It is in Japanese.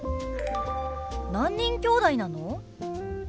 何人きょうだいなの？